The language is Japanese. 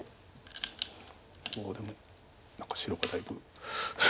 もうでも何か白がだいぶ。